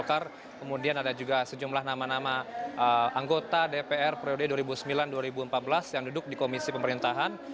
kemudian ada juga sejumlah nama nama anggota dpr periode dua ribu sembilan dua ribu empat belas yang duduk di komisi pemerintahan